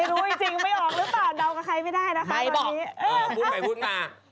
ก็ตอบเดากับใครไม่ได้นะคะใครบอกเออพูดไปพูดมา